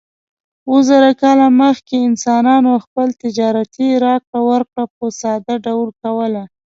اووه زره کاله مخکې انسانانو خپل تجارتي راکړه ورکړه په ساده ډول کوله.